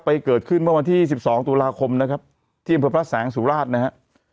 เกิดขึ้นเมื่อวันที่๑๒ตุลาคมนะครับที่อำเภอพระแสงสุราชนะฮะ